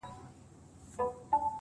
ته خو دا ټول کاينات خپله حافظه کي ساتې~